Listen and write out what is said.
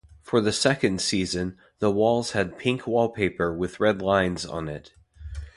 For the second season, the walls had pink wallpaper with red lines on it.